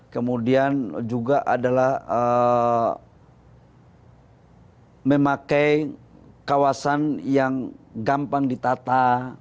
kemudian juga adalah memakai kawasan yang gampang ditata